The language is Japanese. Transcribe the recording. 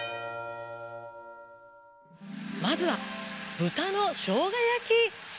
まずはぶたのしょうがやき。